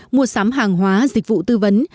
mua sám hàng hóa dịch vụ tư vấn